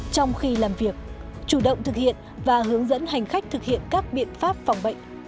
trong khi làm việc chủ động thực hiện và hướng dẫn hành khách thực hiện các biện pháp phòng bệnh